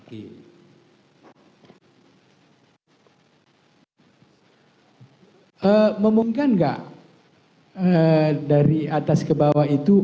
hai eh memungkinkan enggak dari atas ke bawah itu